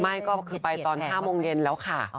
ไม่ก็คือไปตอน๕โมงเย็นแล้วค่ะ